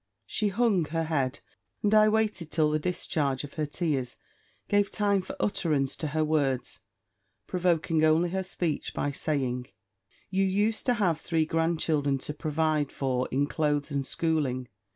She hung her head, and I waited till the discharge of her tears gave time for utterance to her words; provoking only her speech, by saying, "You used to have three grand children to provide for in clothes and schooling.